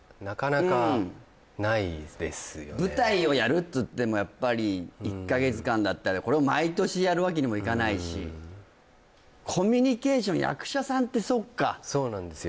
やっぱり舞台をやるっつってもやっぱり１か月間だったりこれを毎年やるわけにもいかないしコミュニケーション役者さんってそっかそうなんですよ